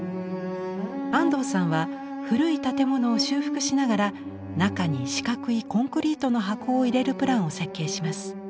安藤さんは古い建物を修復しながら中に四角いコンクリートの箱を入れるプランを設計します。